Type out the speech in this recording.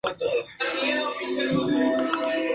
Y que sea bueno o malo o pequeño o grande.